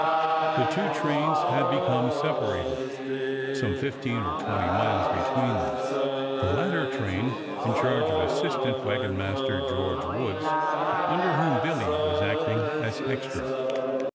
The two trains had become separated, some fifteen or twenty miles between them, the latter train in charge of Assistant Wagon master George Woods, under whom Billy was acting as "extra."